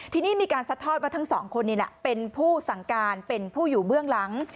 ทีนี้มีการซัดทอดว่าทั้งสองคนนี้แหละเป็นผู้สั่งการเป็นผู้อยู่เบื้องหลัง